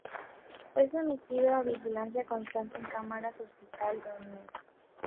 Fue sometido a vigilancia constante con cámaras en un hospital durante un mes.